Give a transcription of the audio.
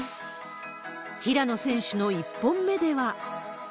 平野選手の１本目では。